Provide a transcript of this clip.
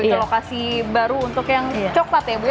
atau lokasi baru untuk yang coklat ya bu ya